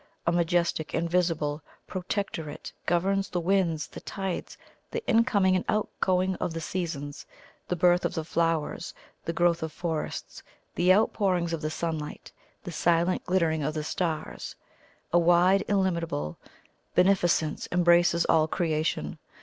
A majestic invisible Protectorate governs the winds, the tides, the incoming and outgoing of the seasons, the birth of the flowers, the growth of forests, the outpourings of the sunlight, the silent glittering of the stars. A wide illimitable Beneficence embraces all creation.